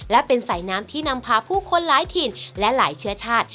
และเป็นสายน้ำที่นำพาผู้คนหลายถิ่นและหลายเชื้อชาติ